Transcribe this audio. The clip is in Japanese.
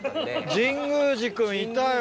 神宮寺君いたよ。